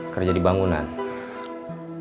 sampai jumpa di channel lainnya